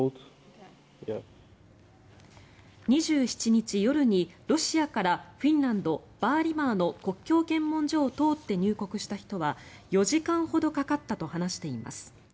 ２７日夜にロシアからフィンランド・バーリマーの国境検問所を通って入国した人は４時間ほどかかったと話しています。